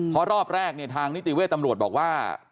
เพราะรอบแรกเนี่ยทางนิติเวทย์ตำรวจบอกว่า